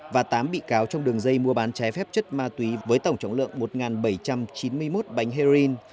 và tám bị cáo trong đường dây mua bán trái phép chất ma túy với tổng trọng lượng một bảy trăm chín mươi một bánh heroin